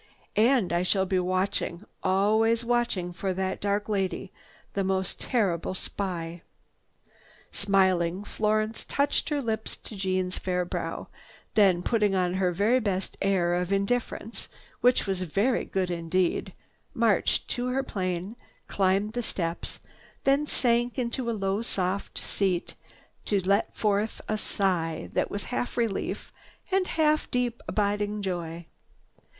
And I shall be watching, always watching for that dark lady, the most terrible spy." Smiling, Florence touched her lips to Jeanne's fair brow, then putting on her very best air of indifference, which was very good indeed, marched to her plane, climbed the steps, then sank into a soft low seat to let forth a sigh that was half relief and half deep abiding joy.